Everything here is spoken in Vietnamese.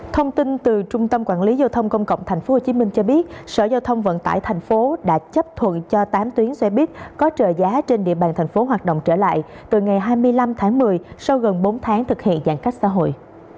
thông tin từ trung tâm quản lý giao thông công cộng tp hcm cho biết sở giao thông vận tải tp hcm đã chấp thuận cho tám tuyến xe buýt có trợ giá trên địa bàn tp hcm hoạt động trở lại từ ngày hai mươi năm tháng một mươi sau gần bốn tháng thực hiện giãn cách xã hội